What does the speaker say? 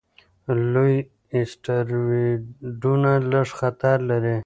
لوی اسټروېډونه لږ خطر لري.